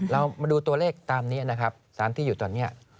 เรามาดูตัวเลขตามนี้นะครับสารที่อยู่ตอนนี้